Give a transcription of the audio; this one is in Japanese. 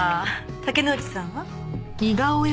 竹之内さんは？